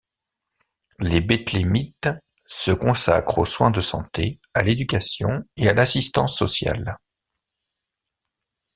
Les bethlémites se consacrent aux soins de santé, à l’éducation et à l'assistance sociale.